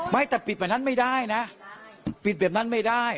ไม่แต่ปิดแบบนั้นไม่ได้นะปิดแบบนั้นไม่ได้